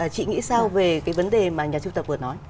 chị nghĩ sao về cái vấn đề mà nhà siêu tập vừa nói